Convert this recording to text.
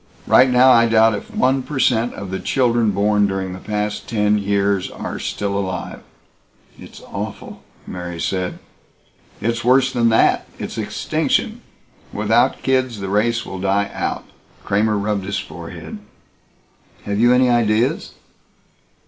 Right now I doubt if one per cent of the children born during the past ten years are still alive." "It's awful!" Mary said. "It's worse than that. It's extinction. Without kids the race will die out." Kramer rubbed his forehead. "Have you any ideas?"